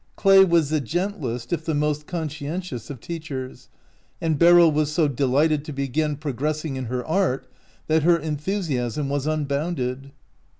Cla/ was the gentlest, if the most conscientious, of teachers, and Beryl was so delighted to be again progressing in her art that her enthusiasm was unbounded.